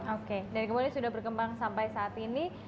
oke dan kemudian sudah berkembang sampai saat ini